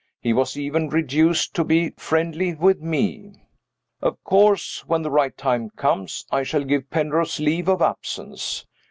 He was even reduced to be friendly with Me. Of course when the right time comes I shall give Penrose leave of absence.